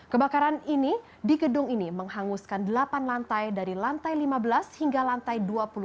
kebakaran ini di gedung ini menghanguskan delapan lantai dari lantai lima belas hingga lantai dua puluh tiga